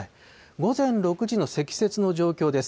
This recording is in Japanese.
午前６時の積雪の状況です。